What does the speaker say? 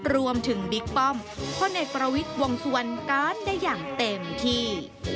รวมถึงบิ๊กปล้อมคนเอกประวิตรวงสวรรค์การได้อย่างเต็มที่